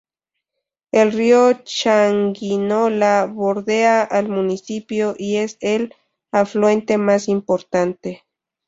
El río Changuinola, bordea al municipio y es el afluente más importante.